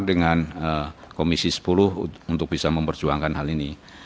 dengan komisi sepuluh untuk bisa memperjuangkan hal ini